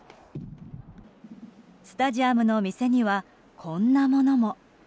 スタジアムの店にはこんなものも。